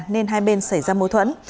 nên hai bên xảy ra mối thuẫn